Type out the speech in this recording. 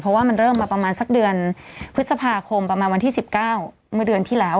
เพราะว่ามันเริ่มมาประมาณสักเดือนพฤษภาคมประมาณวันที่๑๙เมื่อเดือนที่แล้ว